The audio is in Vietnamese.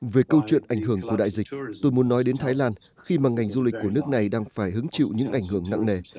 về câu chuyện ảnh hưởng của đại dịch tôi muốn nói đến thái lan khi mà ngành du lịch của nước này đang phải hứng chịu những ảnh hưởng nặng nề